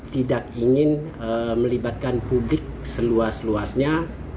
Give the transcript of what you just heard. tidak ingin melibatkan publik seluas luasnya